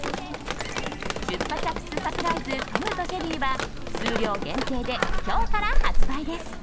チュッパチャプスサプライズトム＆ジェリーが数量限定で今日から発売です。